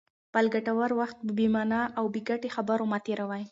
خپل ګټور وخت په بې مانا او بې ګټې خبرو مه تېروئ.